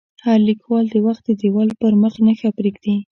هر لیکوال د وخت د دیوال پر مخ نښه پرېږدي.